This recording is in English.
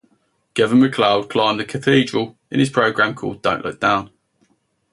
Kevin McCloud climbed the cathedral in his programme called Don't Look Down!